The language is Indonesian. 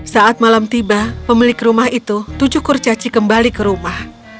saat malam tiba pemilik rumah itu tujuh kurcaci kembali ke rumah